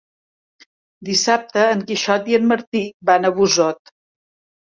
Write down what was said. Dissabte en Quixot i en Martí van a Busot.